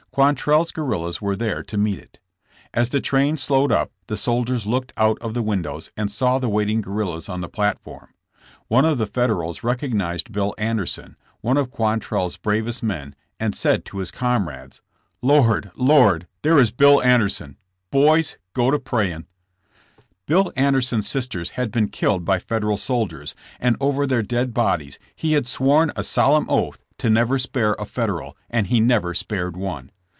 Quan trell's guerrillas were there to meet it. As the train slowed up the soldiers looked out of the windows and saw the waiting guerrillas on the platform. One of the federals recognized Bill Anderson, one of Quan trell 's bravest men, and said to his comrades : *'Lord! Lord! There is Bill Anderson! Boys, go. to praying." Bill Anderson 's sisters had been killed by Federal soldiers, and over their dead bodies he had sworn a solemn oath to never spare a Federal, and he never spared one.